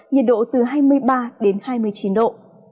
nhiệt độ từ hai mươi ba đến hai mươi chín độ